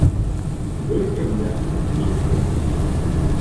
Бер кем дә, һис кем